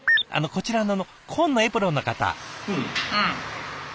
こちらの紺のエプロンの方。